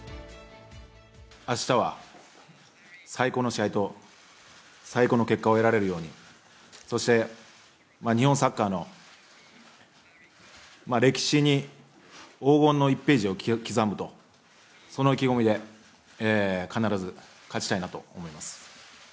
あしたは最高の試合と最高の結果を得られるように、そして、日本サッカーの歴史に黄金の１ページを刻むと、その意気込みで必ず勝ちたいなと思います。